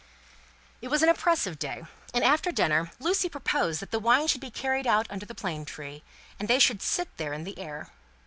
It was an oppressive day, and, after dinner, Lucie proposed that the wine should be carried out under the plane tree, and they should sit there in the air.